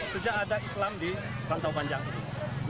sejak ada islam di pantau panjang ini